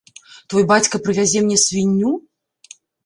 Твой бацька прывязе мне свінню?